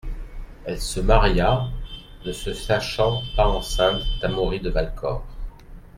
Elle se maria, ne se sachant pas enceinte d’Amaury de Valcor.